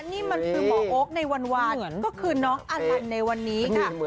นี่มันคือหมอโอ๊คในวันก็คือน้องอลันในวันนี้ค่ะ